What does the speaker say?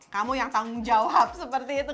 kamu yang tanggung jawab seperti itu